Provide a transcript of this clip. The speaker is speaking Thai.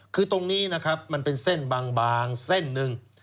คือตรงนี้นะครับมันเป็นเส้นบางเส้นหนึ่ง